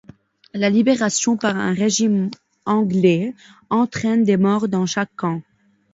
La libération par un régiment anglais entraine des morts dans chaque camp.